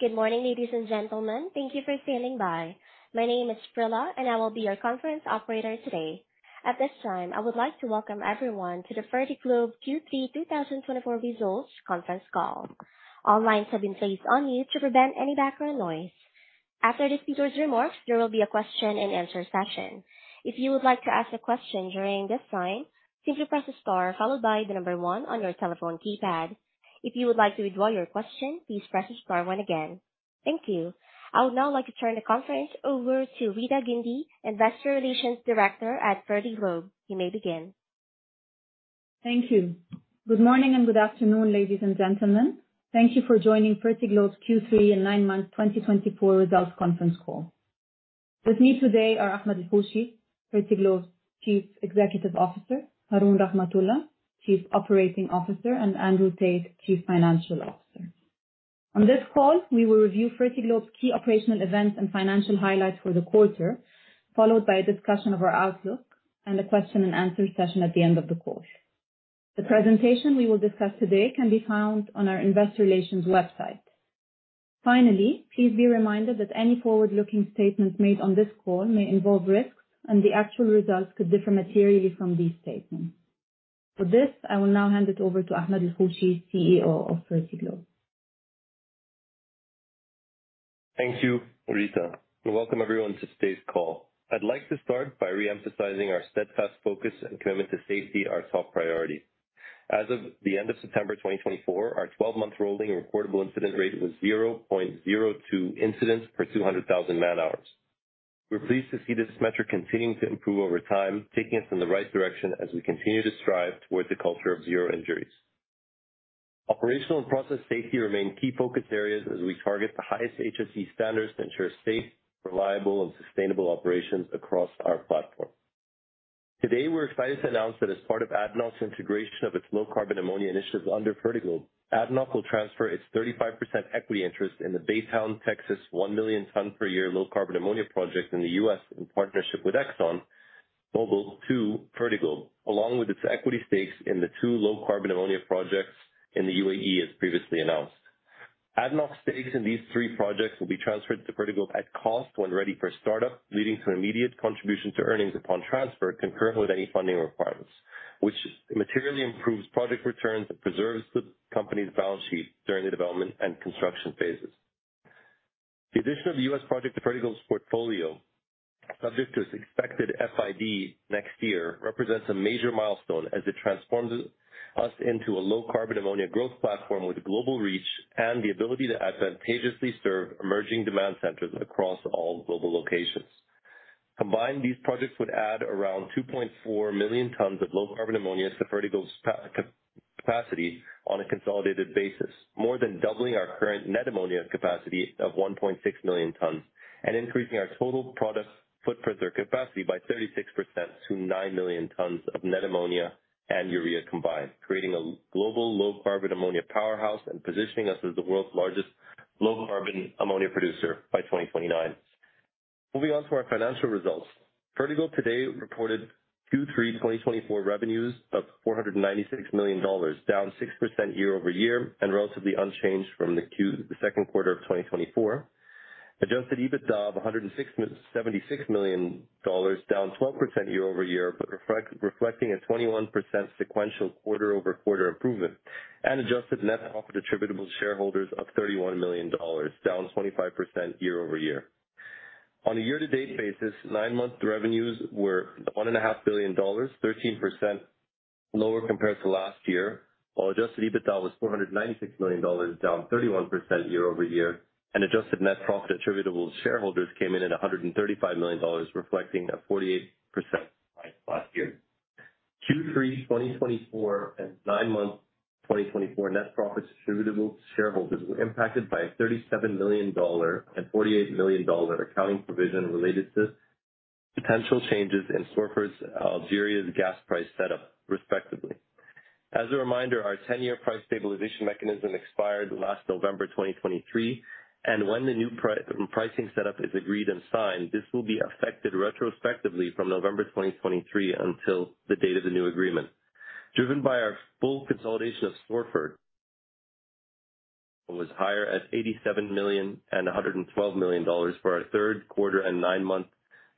Good morning, ladies and gentlemen. Thank you for standing by. My name is Prila, and I will be your conference operator today. At this time, I would like to welcome everyone to the Fertiglobe Q3 2024 Results Conference Call. All lines have been placed on mute to prevent any background noise. After this speaker's remarks, there will be a question-and-answer session. If you would like to ask a question during this time, simply press the star followed by the number one on your telephone keypad. If you would like to withdraw your question, please press the star one again. Thank you. I would now like to turn the conference over to Rita Guindy, Investor Relations Director at Fertiglobe. You may begin. Thank you. Good morning and good afternoon, ladies and gentlemen. Thank you for joining Fertiglobe Q3 and 9 Month 2024 Results Conference Call. With me today are Ahmed El-Hoshy, Fertiglobe's Chief Executive Officer, Haroon Rahmathulla, Chief Operating Officer, and Andrew Tait, Chief Financial Officer. On this call, we will review Fertiglobe's key operational events and financial highlights for the quarter, followed by a discussion of our outlook and a question-and-answer session at the end of the call. The presentation we will discuss today can be found on our Investor Relations website. Finally, please be reminded that any forward-looking statements made on this call may involve risks, and the actual results could differ materially from these statements. With this, I will now hand it over to Ahmed El-Hoshy, CEO of Fertiglobe. Thank you, Rita. Welcome, everyone, to today's call. I'd like to start by reemphasizing our steadfast focus and commitment to safety are top priorities. As of the end of September 2024, our 12-month rolling recordable incident rate was 0.02 incidents per 200,000 man-hours. We're pleased to see this metric continuing to improve over time, taking us in the right direction as we continue to strive towards a culture of zero injuries. Operational and process safety remain key focus areas as we target the highest HSE standards to ensure safe, reliable, and sustainable operations across our platform. Today, we're excited to announce that as part of ADNOC's integration of its low-carbon ammonia initiatives under Fertiglobe, ADNOC will transfer its 35% equity interest in the Baytown, Texas, one million-ton-per-year low-carbon ammonia project in the U.S. in partnership with ExxonMobil to Fertiglobe, along with its equity stakes in the two low-carbon ammonia projects in the UAE, as previously announced. ADNOC's stakes in these three projects will be transferred to Fertiglobe at cost when ready for startup, leading to an immediate contribution to earnings upon transfer, concurrent with any funding requirements, which materially improves project returns and preserves the company's balance sheet during the development and construction phases. The addition of the U.S. project to Fertiglobe's portfolio, subject to its expected FID next year, represents a major milestone as it transforms us into a low-carbon ammonia growth platform with global reach and the ability to advantageously serve emerging demand centers across all global locations. Combined, these projects would add around 2.4 million tons of low-carbon ammonia to Fertiglobe's capacity on a consolidated basis, more than doubling our current net ammonia capacity of 1.6 million tons and increasing our total product footprint or capacity by 36% to 9 million tons of net ammonia and urea combined, creating a global low-carbon ammonia powerhouse and positioning us as the world's largest low-carbon ammonia producer by 2029. Moving on to our financial results, Fertiglobe today reported Q3 2024 revenues of $496 million, down 6% year-over-year and relatively unchanged from the second quarter of 2024. Adjusted EBITDA of $176 million, down 12% year-over-year, but reflecting a 21% sequential quarter-over-quarter improvement, and adjusted net profit attributable to shareholders of $31 million, down 25% year-over-year. On a year-to-date basis, nine-month revenues were $1.5 billion, 13% lower compared to last year, while adjusted EBITDA was $496 million, down 31% year-over-year, and adjusted net profit attributable to shareholders came in at $135 million, reflecting a 48% rise last year. Q3 2024 and nine-month 2024 net profits attributable to shareholders were impacted by a $37 million and $48 million accounting provision related to potential changes in Sorfert's Algerian gas price setup, respectively. As a reminder, our 10-year price stabilization mechanism expired last November 2023, and when the new pricing setup is agreed and signed, this will be affected retrospectively from November 2023 until the date of the new agreement. Driven by our full consolidation of Sorfert, it was higher at $87 million and $112 million for our third quarter and nine-month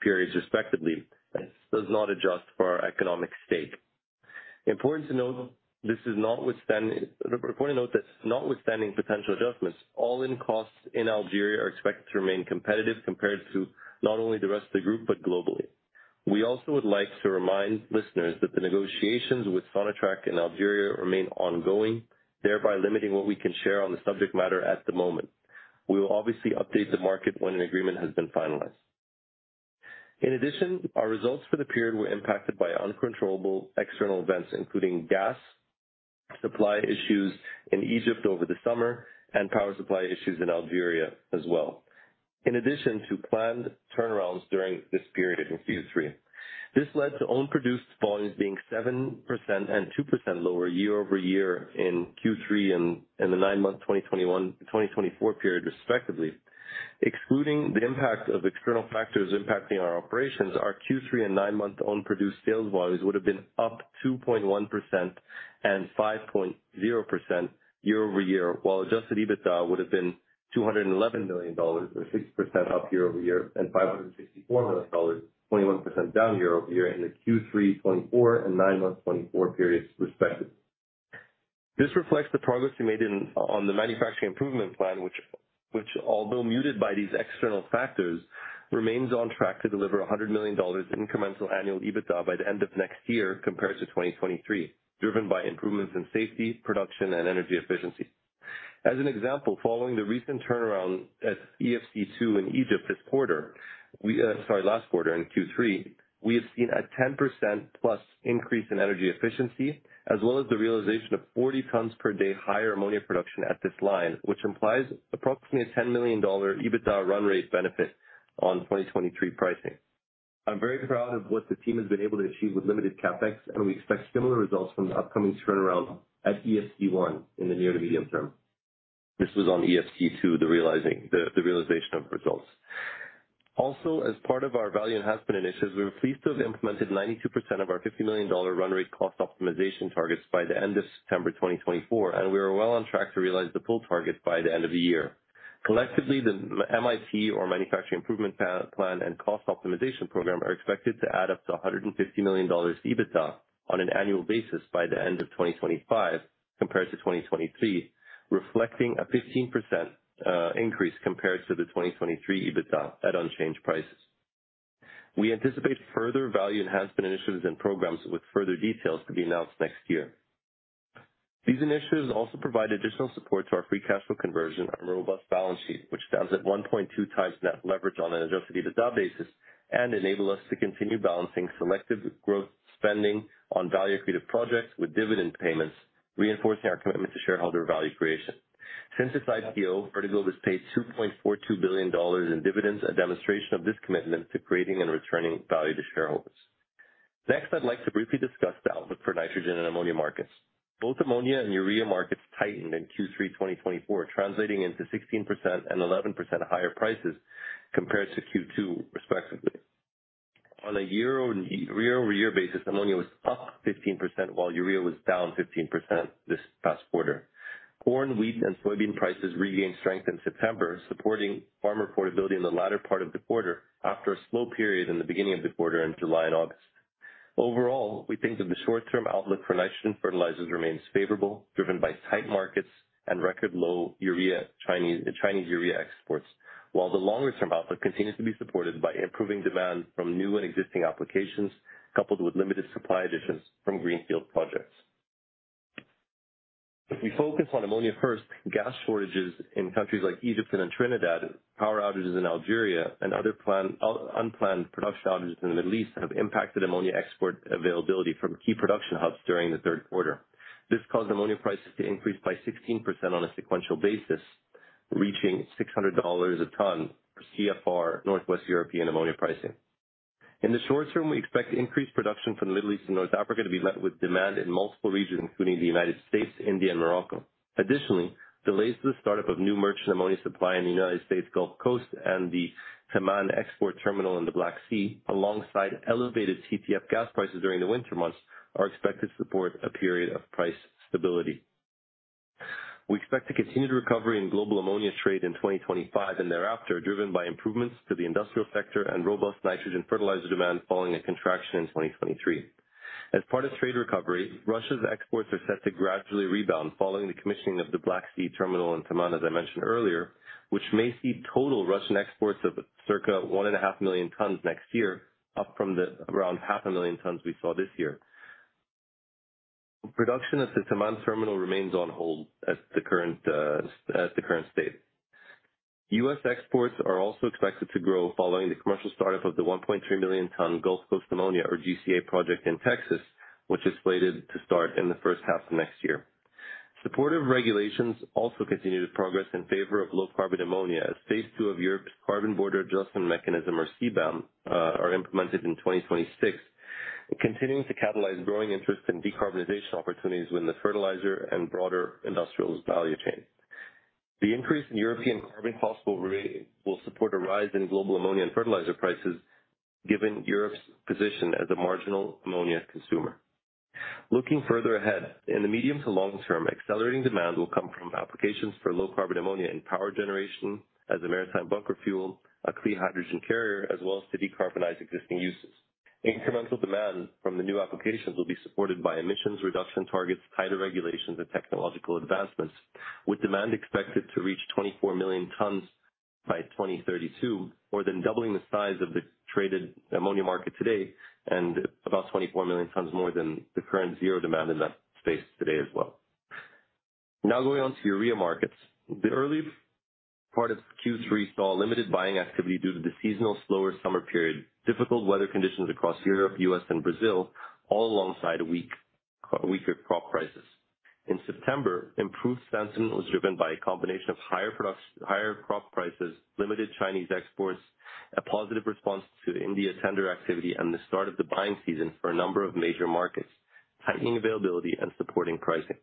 periods, respectively. This does not adjust for our economic stake. Important to note, this is notwithstanding, important to note that notwithstanding potential adjustments, all-in costs in Algeria are expected to remain competitive compared to not only the rest of the group but globally. We also would like to remind listeners that the negotiations with SONATRACH in Algeria remain ongoing, thereby limiting what we can share on the subject matter at the moment. We will obviously update the market when an agreement has been finalized. In addition, our results for the period were impacted by uncontrollable external events, including gas supply issues in Egypt over the summer and power supply issues in Algeria as well, in addition to planned turnarounds during this period in Q3. This led to own-produced volumes being 7% and 2% lower year-over-year in Q3 and the nine-month 2021-2024 period, respectively. Excluding the impact of external factors impacting our operations, our Q3 and nine-month owned-produced sales volumes would have been up 2.1% and 5.0% year-over-year, while adjusted EBITDA would have been $211 million, or 6% up year-over-year, and $564 million, 21% down year-over-year in the Q3 2024 and nine-month 2024 periods, respectively. This reflects the progress we made on the manufacturing improvement plan, which, although muted by these external factors, remains on track to deliver $100 million incremental annual EBITDA by the end of next year compared to 2023, driven by improvements in safety, production, and energy efficiency. As an example, following the recent turnaround at EFC2 in Egypt this quarter, sorry, last quarter, in Q3, we have seen a 10% plus increase in energy efficiency, as well as the realization of 40 tons per day higher ammonia production at this line, which implies approximately a $10 million EBITDA run rate benefit on 2023 pricing. I'm very proud of what the team has been able to achieve with limited CapEx, and we expect similar results from the upcoming turnaround at EFC1 in the near to medium term. This was on EFC2, the realization of results. Also, as part of our value enhancement initiatives, we were pleased to have implemented 92% of our $50 million run rate cost optimization targets by the end of September 2024, and we are well on track to realize the full target by the end of the year. Collectively, the MIP, or Manufacturing Improvement Plan, and cost optimization program are expected to add up to $150 million EBITDA on an annual basis by the end of 2025 compared to 2023, reflecting a 15% increase compared to the 2023 EBITDA at unchanged prices. We anticipate further value enhancement initiatives and programs with further details to be announced next year. These initiatives also provide additional support to our free cash flow conversion and robust balance sheet, which stands at 1.2x net leverage on an adjusted EBITDA basis and enable us to continue balancing selective growth spending on value-creative projects with dividend payments, reinforcing our commitment to shareholder value creation. Since its IPO, Fertiglobe has paid $2.42 billion in dividends, a demonstration of this commitment to creating and returning value to shareholders. Next, I'd like to briefly discuss the outlook for nitrogen and ammonia markets. Both ammonia and urea markets tightened in Q3 2024, translating into 16% and 11% higher prices compared to Q2, respectively. On a year-over-year basis, ammonia was up 15%, while urea was down 15% this past quarter. Corn, wheat, and soybean prices regained strength in September, supporting farmer profitability in the latter part of the quarter after a slow period in the beginning of the quarter in July and August. Overall, we think that the short-term outlook for nitrogen fertilizers remains favorable, driven by tight markets and record-low Chinese urea exports, while the longer-term outlook continues to be supported by improving demand from new and existing applications coupled with limited supply additions from greenfield projects. If we focus on ammonia first, gas shortages in countries like Egypt and Trinidad, power outages in Algeria, and other unplanned production outages in the Middle East have impacted ammonia export availability from key production hubs during the third quarter. This caused ammonia prices to increase by 16% on a sequential basis, reaching $600 a ton for CFR, Northwest European ammonia pricing. In the short term, we expect increased production from the Middle East and North Africa to be met with demand in multiple regions, including the United States, India, and Morocco. Additionally, delays to the startup of new merchant ammonia supply in the United States Gulf Coast and the Taman export terminal in the Black Sea, alongside elevated TTF gas prices during the winter months, are expected to support a period of price stability. We expect a continued recovery in global ammonia trade in 2025 and thereafter, driven by improvements to the industrial sector and robust nitrogen fertilizer demand following a contraction in 2023. As part of trade recovery, Russia's exports are set to gradually rebound following the commissioning of the Black Sea terminal in Taman, as I mentioned earlier, which may see total Russian exports of circa 1.5 million tons next year, up from around 500,000 tons we saw this year. Production at the Taman terminal remains on hold at the current state. U.S. exports are also expected to grow following the commercial startup of the 1.3 million-ton Gulf Coast ammonia, or GCA, project in Texas, which is slated to start in the first half of next year. Supportive regulations also continue to progress in favor of low-carbon ammonia as Phase II of Europe's carbon border adjustment mechanism, or CBAM, is implemented in 2026, continuing to catalyze growing interest in decarbonization opportunities within the fertilizer and broader industrial value chain. The increase in European carbon costs will support a rise in global ammonia and fertilizer prices, given Europe's position as a marginal ammonia consumer. Looking further ahead, in the medium to long term, accelerating demand will come from applications for low-carbon ammonia in power generation as a maritime bunker fuel, a clean hydrogen carrier, as well as to decarbonize existing uses. Incremental demand from the new applications will be supported by emissions reduction targets, tighter regulations, and technological advancements, with demand expected to reach 24 million tons by 2032, more than doubling the size of the traded ammonia market today and about 24 million tons more than the current zero demand in that space today as well. Now, going on to urea markets, the early part of Q3 saw limited buying activity due to the seasonal slower summer period, difficult weather conditions across Europe, U.S., and Brazil, all alongside weaker crop prices. In September, improved sentiment was driven by a combination of higher crop prices, limited Chinese exports, a positive response to India tender activity, and the start of the buying season for a number of major markets, tightening availability and supporting pricing.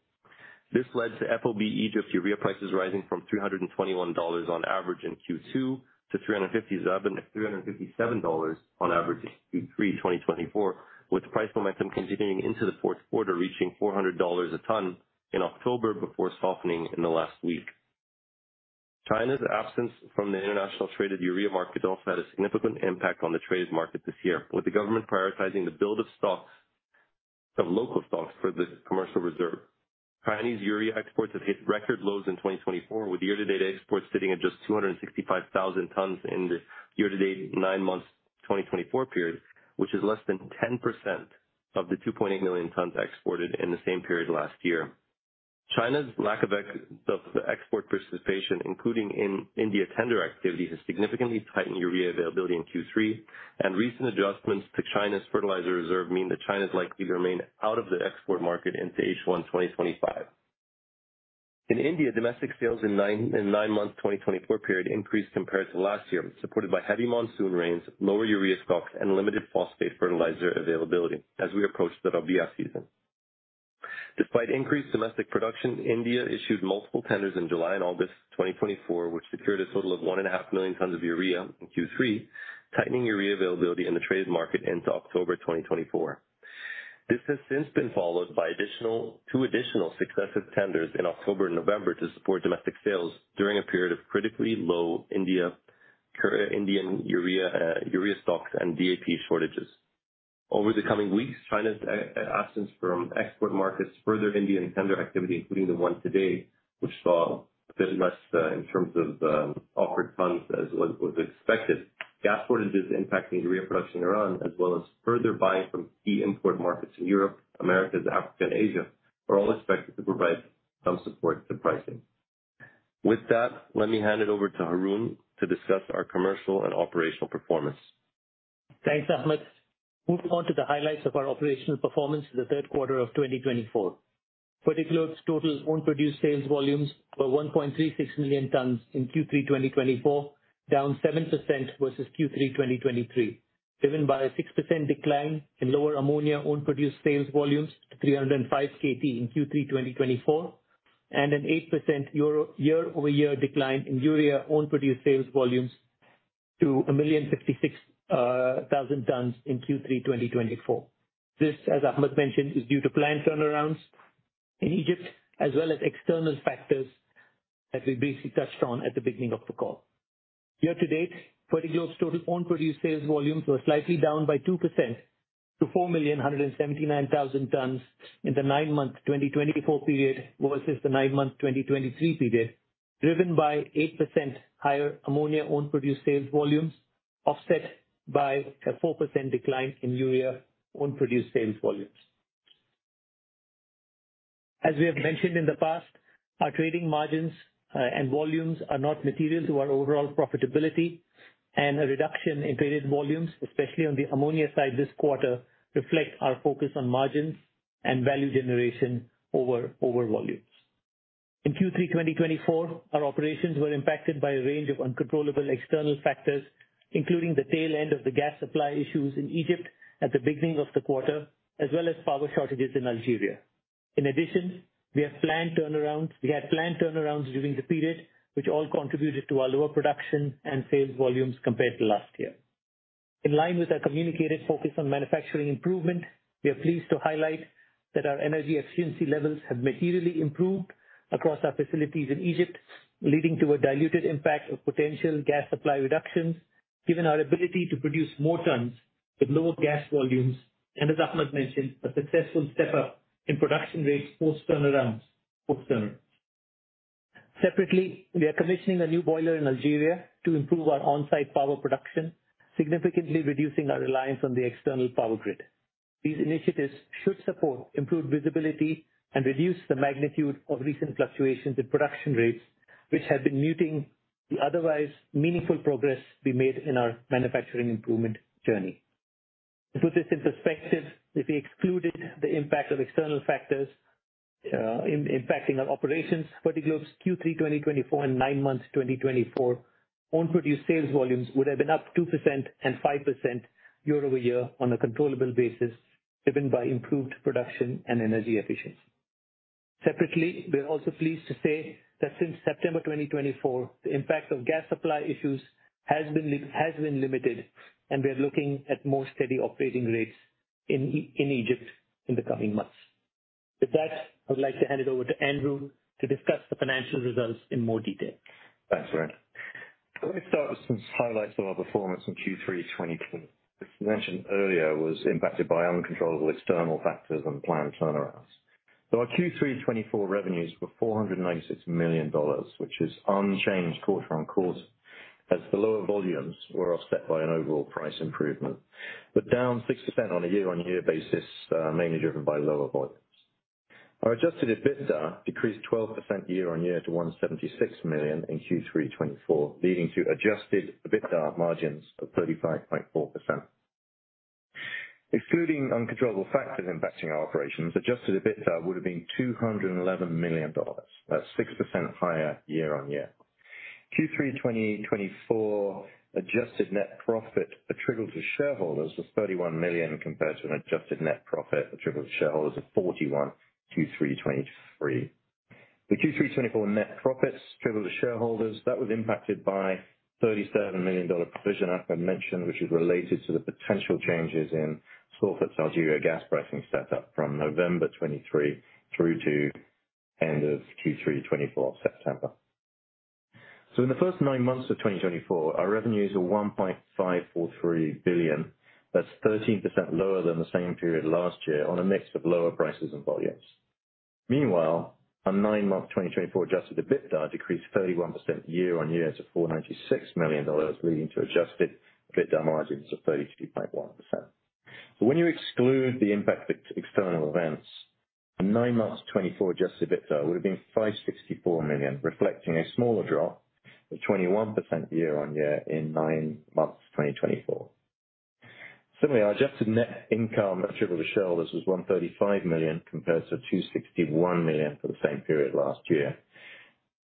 This led to FOB Egypt urea prices rising from $321 on average in Q2 to $357 on average in Q3 2024, with price momentum continuing into the fourth quarter, reaching $400 a ton in October before softening in the last week. China's absence from the international traded urea market also had a significant impact on the traded market this year, with the government prioritizing the build of local stocks for the commercial reserve. Chinese urea exports have hit record lows in 2024, with year-to-date exports sitting at just 265,000 tons in the year-to-date nine-month 2024 period, which is less than 10% of the 2.8 million tons exported in the same period last year. China's lack of export participation, including in India tender activity, has significantly tightened urea availability in Q3, and recent adjustments to China's fertilizer reserve mean that China is likely to remain out of the export market into H1 2025. In India, domestic sales in the nine-month 2024 period increased compared to last year, supported by heavy monsoon rains, lower urea stocks, and limited phosphate fertilizer availability as we approach the Rabi season. Despite increased domestic production, India issued multiple tenders in July and August 2024, which secured a total of 1.5 million tons of urea in Q3, tightening urea availability in the traded market into October 2024. This has since been followed by two additional successive tenders in October and November to support domestic sales during a period of critically low Indian urea stocks and DAP shortages. Over the coming weeks, China's absence from export markets furthered Indian tender activity, including the one today, which saw a bit less in terms of offered funds as was expected. Gas shortages impacting urea production in Iran, as well as further buying from key import markets in Europe, America, Africa, and Asia, are all expected to provide some support to pricing. With that, let me hand it over to Haroon to discuss our commercial and operational performance. Thanks, Ahmed. Moving on to the highlights of our operational performance for the third quarter of 2024. For Fertiglobe's total owned-produced sales volumes, we're 1.36 million tons in Q3 2024, down 7% versus Q3 2023, driven by a 6% decline in lower ammonia owned-produced sales volumes to 305 KT in Q3 2024, and an 8% year-over-year decline in urea owned-produced sales volumes to 1,056,000 tons in Q3 2024. This, as Ahmed mentioned, is due to planned turnarounds in Egypt, as well as external factors that we briefly touched on at the beginning of the call. Year-to-date, Fertiglobe's total owned-produced sales volumes were slightly down by 2% to 4,179,000 tons in the nine-month 2024 period versus the nine-month 2023 period, driven by 8% higher ammonia owned-produced sales volumes offset by a 4% decline in urea owned-produced sales volumes. As we have mentioned in the past, our trading margins and volumes are not material to our overall profitability, and a reduction in traded volumes, especially on the ammonia side this quarter, reflects our focus on margins and value generation over volumes. In Q3 2024, our operations were impacted by a range of uncontrollable external factors, including the tail end of the gas supply issues in Egypt at the beginning of the quarter, as well as power shortages in Algeria. In addition, we had planned turnarounds during the period, which all contributed to our lower production and sales volumes compared to last year. In line with our communicated focus on manufacturing improvement, we are pleased to highlight that our energy efficiency levels have materially improved across our facilities in Egypt, leading to a diluted impact of potential gas supply reductions, given our ability to produce more tons with lower gas volumes, and, as Ahmed mentioned, a successful step-up in production rates post-turnarounds. Separately, we are commissioning a new boiler in Algeria to improve our on-site power production, significantly reducing our reliance on the external power grid. These initiatives should support improved visibility and reduce the magnitude of recent fluctuations in production rates, which have been muting the otherwise meaningful progress we made in our manufacturing improvement journey. To put this in perspective, if we excluded the impact of external factors impacting our operations, Fertiglobe's Q3 2024 and nine-month 2024 owned-produced sales volumes would have been up 2% and 5% year-over-year on a controllable basis, driven by improved production and energy efficiency. Separately, we are also pleased to say that since September 2024, the impact of gas supply issues has been limited, and we are looking at more steady operating rates in Egypt in the coming months. With that, I would like to hand it over to Andrew to discuss the financial results in more detail. Thanks, Haroon. Let me start with some highlights of our performance in Q3 2024. As mentioned earlier, it was impacted by uncontrollable external factors and planned turnarounds. So our Q3 2024 revenues were $496 million, which is unchanged quarter on quarter, as the lower volumes were offset by an overall price improvement, but down 6% on a year-on-year basis, mainly driven by lower volumes. Our Adjusted EBITDA decreased 12% year-on-year to $176 million in Q3 2024, leading to adjusted EBITDA margins of 35.4%. Excluding uncontrollable factors impacting our operations, Adjusted EBITDA would have been $211 million, that's 6% higher year-on-year. Q3 2024 adjusted net profit attributable to shareholders was $31 million compared to an adjusted net profit attributable to shareholders of $41 million in Q3 2023. The Q3 2024 net profits attributable to shareholders, that was impacted by a $37 million provision Ahmed mentioned, which is related to the potential changes in Sorfert's Algerian gas pricing setup from November 2023 through to the end of Q3 2024, September. So in the first nine months of 2024, our revenues were $1.543 billion, that's 13% lower than the same period last year on a mix of lower prices and volumes. Meanwhile, our nine-month 2024 adjusted EBITDA decreased 31% year-on-year to $496 million, leading to adjusted EBITDA margins of 32.1%. So when you exclude the impact of external events, the nine-month 2024 adjusted EBITDA would have been $564 million, reflecting a smaller drop of 21% year-on-year in nine months 2024. Similarly, our adjusted net income attributable to shareholders was $135 million compared to $261 million for the same period last year.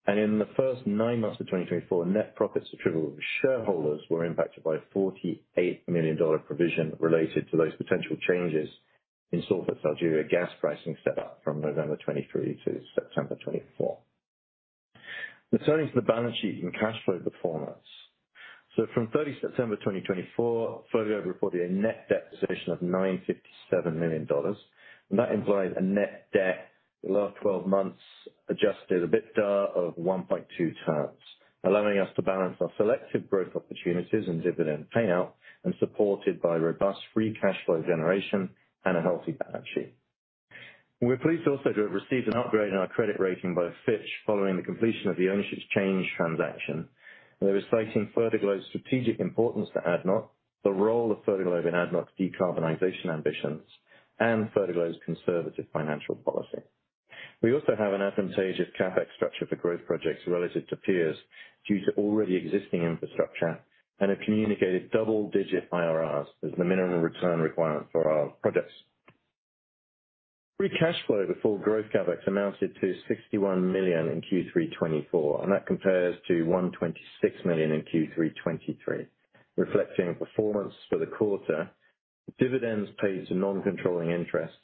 And in the first nine months of 2024, net profits attributable to shareholders were impacted by a $48 million provision related to those potential changes in Sorfert's Algerian gas pricing setup from November 2023 to September 2024. Returning to the balance sheet and cash flow performance, so from 30 September 2024, Fertiglobe reported a net debt position of $957 million, and that implies a net debt in the last 12 months adjusted EBITDA of 1.2 turns, allowing us to balance our selective growth opportunities and dividend payout, and supported by robust free cash flow generation and a healthy balance sheet. We're pleased also to have received an upgrade in our credit rating by Fitch following the completion of the ownership change transaction, and it was citing Fertiglobe's strategic importance to ADNOC, the role of Fertiglobe in ADNOC's decarbonization ambitions, and Fertiglobe's conservative financial policy. We also have an advantageous CapEx structure for growth projects relative to peers due to already existing infrastructure and have communicated double-digit IRRs as the minimum return requirement for our projects. Free cash flow before growth CapEx amounted to $61 million in Q3 2024, and that compares to $126 million in Q3 2023, reflecting performance for the quarter, dividends paid to non-controlling interests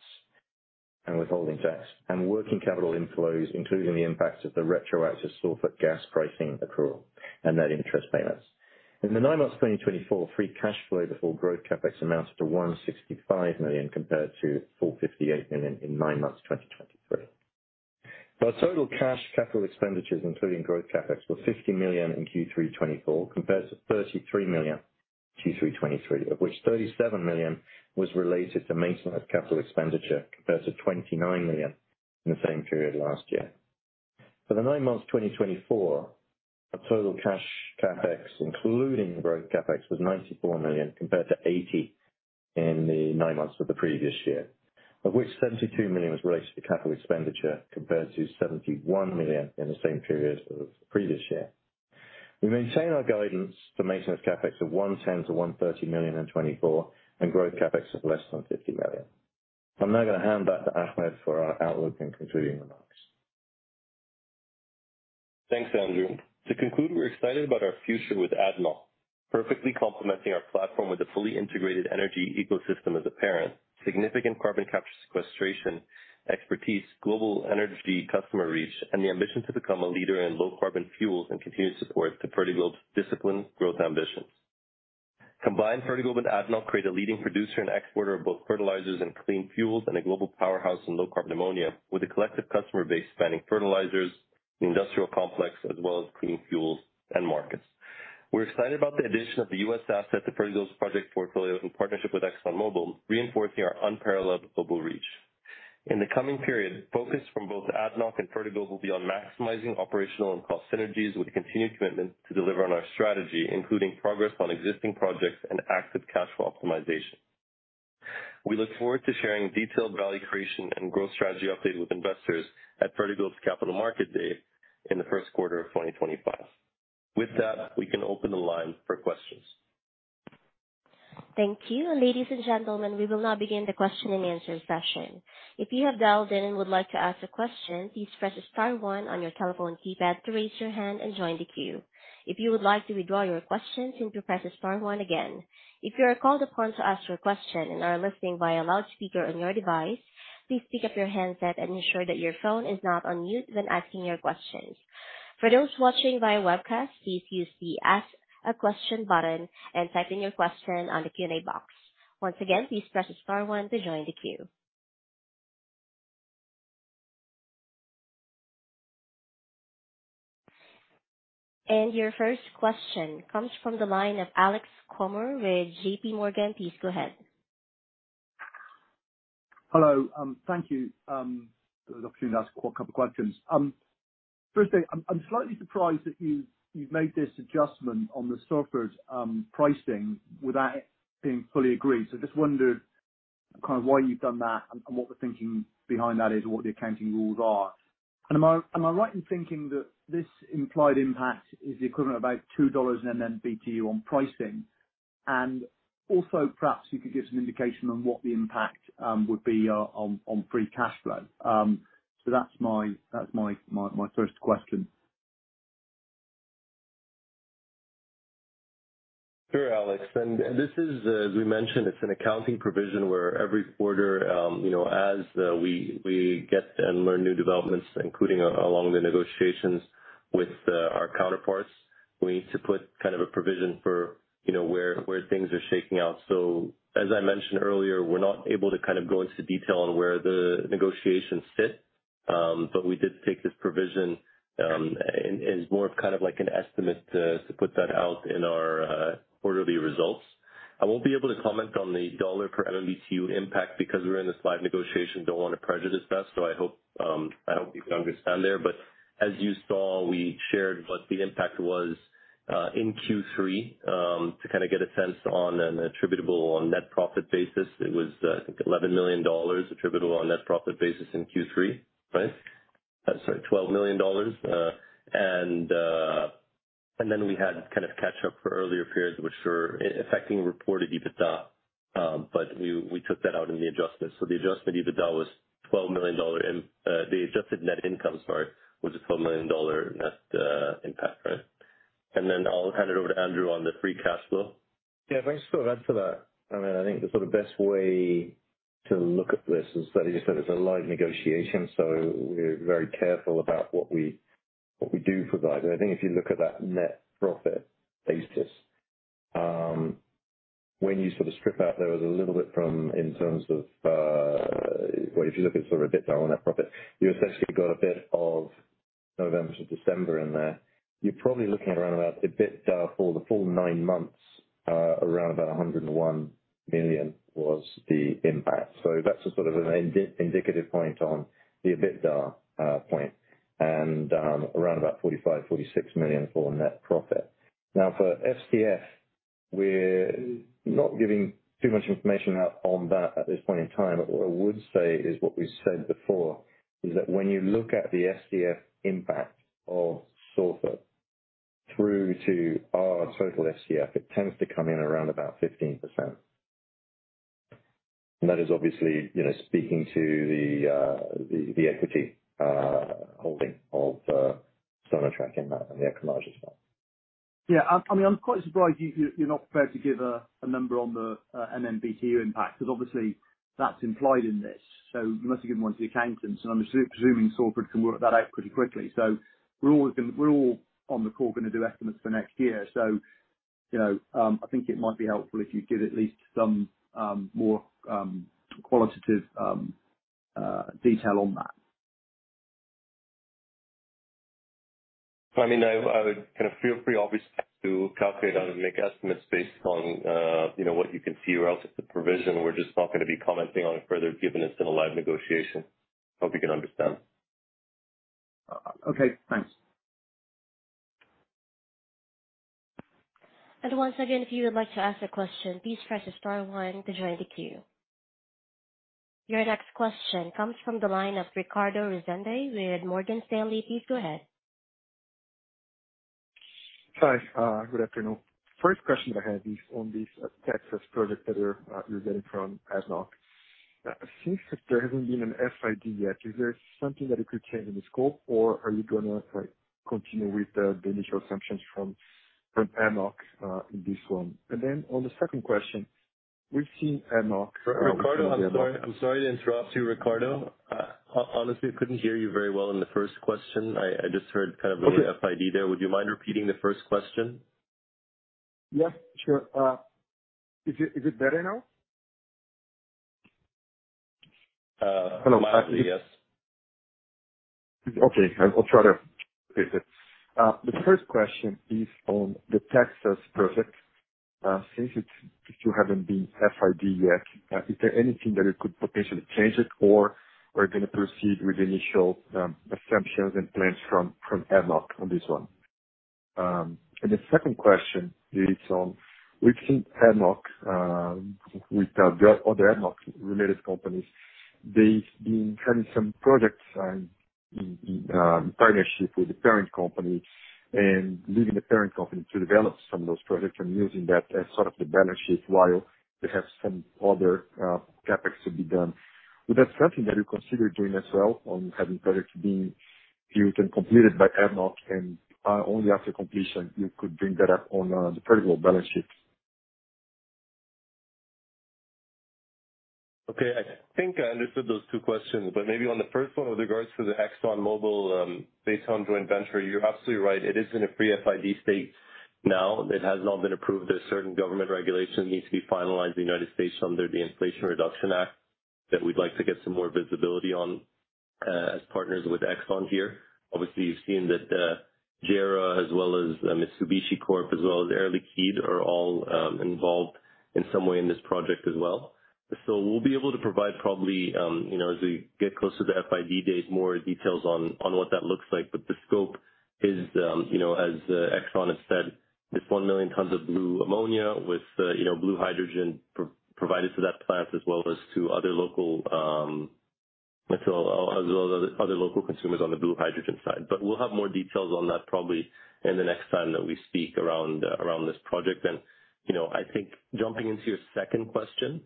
and withholding tax, and working capital inflows, including the impact of the retroactive Sorfert gas pricing accrual and net interest payments. In the nine months 2024, free cash flow before growth CapEx amounted to $165 million compared to $458 million in nine months 2023. Our total cash capital expenditures, including growth CapEx, were $50 million in Q3 2024, compared to $33 million in Q3 2023, of which $37 million was related to maintenance capital expenditure, compared to $29 million in the same period last year. For the nine months 2024, our total cash CapEx, including growth CapEx, was $94 million compared to $80 million in the nine months of the previous year, of which $72 million was related to capital expenditure, compared to $71 million in the same period of the previous year. We maintain our guidance for maintenance CapEx of $110-$130 million in 2024, and growth CapEx of less than $50 million. I'm now going to hand back to Ahmed for our outlook and concluding remarks. Thanks, Andrew. To conclude, we're excited about our future with ADNOC, perfectly complementing our platform with a fully integrated energy ecosystem as a parent, significant carbon capture sequestration expertise, global energy customer reach, and the ambition to become a leader in low-carbon fuels and continue to support Fertiglobe's disciplined growth ambitions. Combined, Fertiglobe and ADNOC create a leading producer and exporter of both fertilizers and clean fuels and a global powerhouse in low-carbon ammonia, with a collective customer base spanning fertilizers, the industrial complex, as well as clean fuels and markets. We're excited about the addition of the U.S. asset to Fertiglobe's project portfolio in partnership with ExxonMobil, reinforcing our unparalleled global reach. In the coming period, focus from both ADNOC and Fertiglobe will be on maximizing operational and cost synergies, with continued commitment to deliver on our strategy, including progress on existing projects and active cash flow optimization. We look forward to sharing detailed value creation and growth strategy update with investors at Fertiglobe's Capital Market Day in the first quarter of 2025. With that, we can open the line for questions. Thank you. Ladies and gentlemen, we will now begin the question and answer session. If you have dialed in and would like to ask a question, please press star one on your telephone keypad to raise your hand and join the queue. If you would like to withdraw your question, simply press star one again. If you are called upon to ask your question and are listening via loudspeaker on your device, please pick up your handset and ensure that your phone is not on mute when asking your questions. For those watching via webcast, please use the Ask a Question button and type in your question on the Q&A box. Once again, please press star one to join the queue. Your first question comes from the line of Alex Comer with JPMorgan. Please go ahead. Hello. Thank you for the opportunity to ask a couple of questions. Firstly, I'm slightly surprised that you've made this adjustment on the Sorfert pricing without it being fully agreed. So I just wondered kind of why you've done that and what the thinking behind that is, what the accounting rules are. And am I right in thinking that this implied impact is the equivalent of about $2 in MMBtu on pricing? And also, perhaps you could give some indication on what the impact would be on free cash flow. So that's my first question. Sure, Alex. And this is, as we mentioned, it's an accounting provision where every quarter, as we get and learn new developments, including along the negotiations with our counterparts, we need to put kind of a provision for where things are shaking out. So as I mentioned earlier, we're not able to kind of go into detail on where the negotiations sit, but we did take this provision as more of kind of like an estimate to put that out in our quarterly results. I won't be able to comment on the $1 per MMBtu impact because we're in this live negotiation, don't want to prejudice that, so I hope you can understand there. But as you saw, we shared what the impact was in Q3 to kind of get a sense on an attributable on net profit basis. It was, I think, $11 million attributable on net profit basis in Q3, right? Sorry, $12 million. And then we had kind of catch-up for earlier periods, which were affecting reported EBITDA, but we took that out in the adjustment. The adjusted EBITDA was $12 million in the adjusted net income, sorry, was a $12 million net impact, right? And then I'll hand it over to Andrew on the free cash flow. Yeah, thanks for that. I mean, I think the sort of best way to look at this is that, as you said, it's a live negotiation, so we're very careful about what we do provide. And I think if you look at that net profit basis, when you sort of strip out there was a little bit from in terms of, well, if you look at sort of EBITDA on net profit, you essentially got a bit of November to December in there. You're probably looking at around about EBITDA for the full nine months, around about $101 million was the impact. So that's a sort of an indicative point on the EBITDA point and around about $45-$46 million for net profit. Now, for FCF, we're not giving too much information out on that at this point in time. What I would say is what we said before is that when you look at the FCF impact of Sorfert through to our total FCF, it tends to come in around about 15%. And that is obviously speaking to the equity holding of SONATRACH and the [equal class] as well. Yeah. I mean, I'm quite surprised you're not prepared to give a number on the MMBtu impact because obviously that's implied in this. So you must have given one to the accountants, and I'm assuming Sorfert can work that out pretty quickly. So we're all on the call going to do estimates for next year. So I think it might be helpful if you give at least some more qualitative detail on that. I mean, I would kind of feel free obviously to calculate out and make estimates based on what you can see relative to provision. We're just not going to be commenting on it further given it's in a live negotiation. I hope you can understand. Okay. Thanks. And once again, if you would like to ask a question, please press star one to join the queue. Your next question comes from the line of Ricardo Rezende with Morgan Stanley. Please go ahead. Hi. Good afternoon. First question that I have is on these Texas projects that you're getting from ADNOC. Since there hasn't been an FID yet, is there something that it could change in the scope, or are you going to continue with the initial assumptions from ADNOC in this one? Then on the second question, we've seen ADNOC. Ricardo, I'm sorry to interrupt you, Ricardo. Honestly, I couldn't hear you very well in the first question. I just heard kind of an FID there. Would you mind repeating the first question? Yeah. Sure. Is it better now? Hello. Yes. Okay. I'll try to fix it. The first question is on the Texas project. Since it still hasn't been FID yet, is there anything that it could potentially change it, or are you going to proceed with initial assumptions and plans from ADNOC on this one? And the second question is on we've seen ADNOC with other ADNOC-related companies. They've been having some projects in partnership with the parent company and leaving the parent company to develop some of those projects and using that as sort of the balance sheet while they have some other CapEx to be done. Would that be something that you consider doing as well on having projects being built and completed by ADNOC, and only after completion, you could bring that up on the Fertiglobe balance sheet? Okay. I think I understood those two questions, but maybe on the first one with regards to the ExxonMobil Baytown joint venture, you're absolutely right. It is in a pre-FID state now. It has not been approved. There's certain government regulations that need to be finalized in the United States under the Inflation Reduction Act that we'd like to get some more visibility on as partners with Exxon here. Obviously, you've seen that JERA, as well as Mitsubishi Corp, as well as Air Liquide, are all involved in some way in this project as well. So we'll be able to provide probably, as we get closer to the FID days, more details on what that looks like. But the scope is, as Exxon has said, this one million tons of blue ammonia with blue hydrogen provided to that plant as well as to other local consumers on the blue hydrogen side. But we'll have more details on that probably in the next time that we speak around this project. I think jumping into your second question,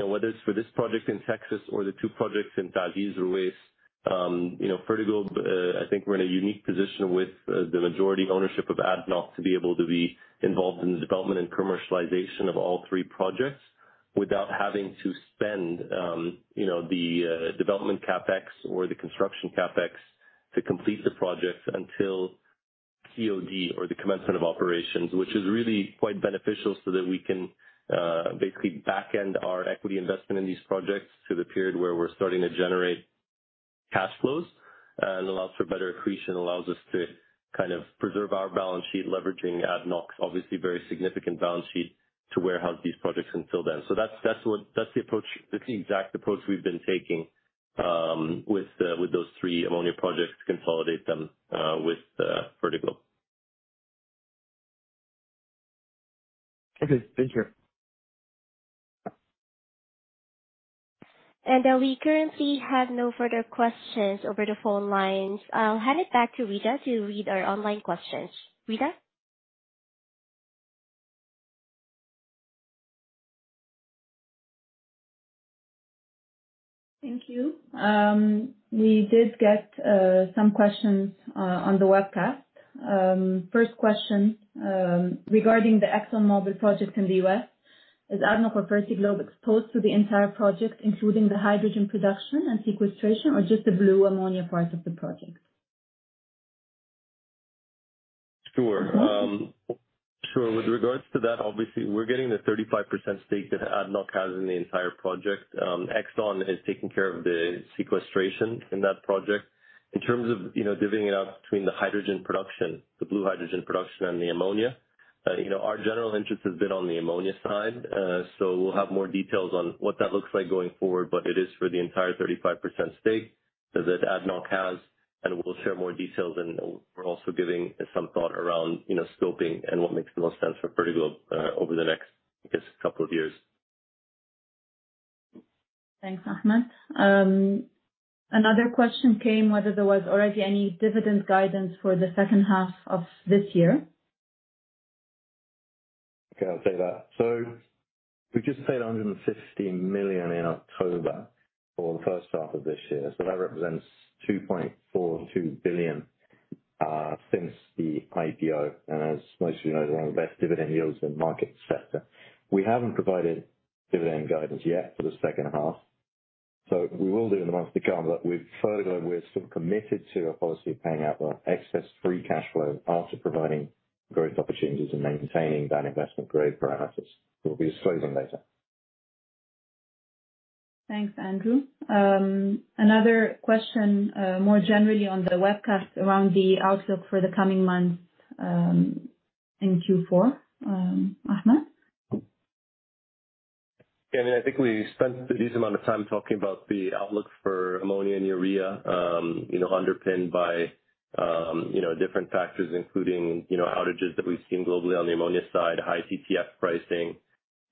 whether it's for this project in Texas or the two projects in TA'ZIZ, Ruwais, Fertiglobe, I think we're in a unique position with the majority ownership of ADNOC to be able to be involved in the development and commercialization of all three projects without having to spend the development CapEx or the construction CapEx to complete the projects until COD or the commencement of operations, which is really quite beneficial so that we can basically backend our equity investment in these projects to the period where we're starting to generate cash flows and allows for better accretion, allows us to kind of preserve our balance sheet leveraging ADNOC's obviously very significant balance sheet to warehouse these projects until then. So that's the approach, the exact approach we've been taking with those three ammonia projects, consolidate them with Fertiglobe. Okay. Thank you. We currently have no further questions over the phone lines. I'll hand it back to Rita to read our online questions. Rita? Thank you. We did get some questions on the webcast. First question regarding the ExxonMobil project in the U.S., is ADNOC or Fertiglobe exposed to the entire project, including the hydrogen production and sequestration, or just the blue ammonia part of the project? Sure. Sure. With regards to that, obviously, we're getting the 35% stake that ADNOC has in the entire project. Exxon is taking care of the sequestration in that project. In terms of divvying it out between the hydrogen production, the blue hydrogen production, and the ammonia, our general interest has been on the ammonia side. So we'll have more details on what that looks like going forward, but it is for the entire 35% stake that ADNOC has, and we'll share more details. And we're also giving some thought around scoping and what makes the most sense for Fertiglobe over the next, I guess, couple of years. Thanks, Ahmed. Another question came whether there was already any dividend guidance for the second half of this year. Okay. I'll take that. So we just paid $15 million in October for the first half of this year. So that represents $2.42 billion since the IPO. And as most of you know, we're on the best dividend yields in the market sector. We haven't provided dividend guidance yet for the second half. So we will do in the months to come. But with Fertiglobe, we're still committed to a policy of paying out the excess free cash flow after providing growth opportunities and maintaining that investment-grade parameters, which we'll be disclosing later. Thanks, Andrew. Another question more generally on the webcast around the outlook for the coming months in Q4. Ahmed? Yeah. I mean, I think we spent a decent amount of time talking about the outlook for ammonia and urea underpinned by different factors, including outages that we've seen globally on the ammonia side, high TTF pricing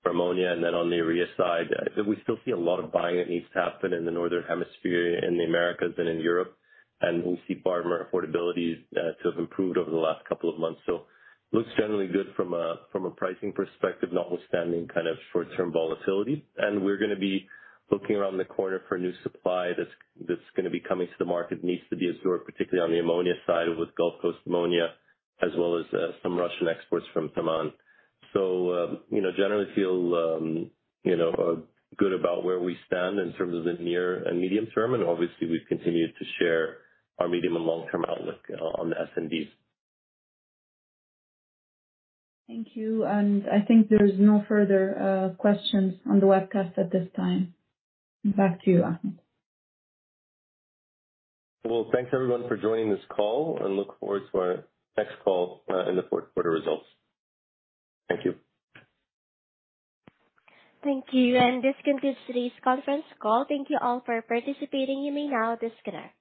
for ammonia, and then on the urea side. We still see a lot of buying that needs to happen in the northern hemisphere in the Americas and in Europe, and we see better affordability to have improved over the last couple of months. So it looks generally good from a pricing perspective, notwithstanding kind of short-term volatility. And we're going to be looking around the corner for new supply that's going to be coming to the market that needs to be absorbed, particularly on the ammonia side with Gulf Coast ammonia as well as some Russian exports from Taman. So generally feel good about where we stand in terms of the near and medium term. And obviously, we've continued to share our medium and long-term outlook on the S&Ds. Thank you. And I think there's no further questions on the webcast at this time. Back to you, Ahmed. Well, thanks everyone for joining this call, and look forward to our next call in the fourth quarter results. Thank you. Thank you. And this concludes today's conference call. Thank you all for participating. You may now disconnect.